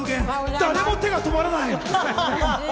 誰も手が止まらない。